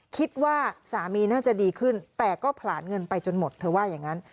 คิดว่าสามีน่าจะดีขึ้นแต่ก็ผลาญเงินไปจนหมดเธอว่าอย่างนั้น